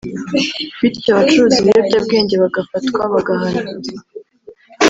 bityo abacuruza ibiyobyabwenge bagafatwa bagahanwa